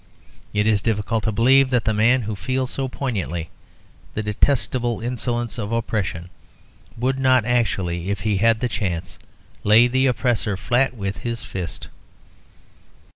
It is difficult to believe that the man who feels so poignantly the detestable insolence of oppression would not actually, if he had the chance, lay the oppressor flat with his fist.